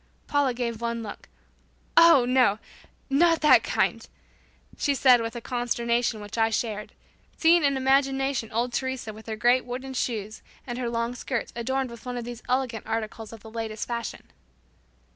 Paula gave one look, "Oh, no; not that kind," she said with a consternation which I shared, seeing in imagination old Teresa with her great wooden shoes and her long skirts adorned with one of these elegant articles of the latest fashion.